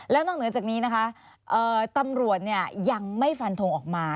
แล้วนอกเหนือจากนี้นะคะตำรวจยังไม่ฟันทงออกมา